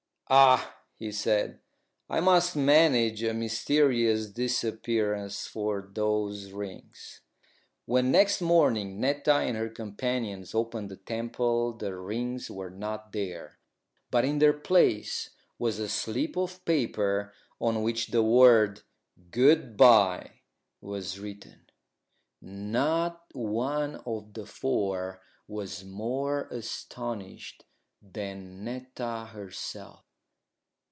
"Ah!" he said, "I must manage a mysterious disappearance for those rings." When next morning Netta and her companions opened the temple the rings were not there, but in their place was a slip of paper, on which the word "Good bye" was written. Not one of the four was more astonished than Netta herself.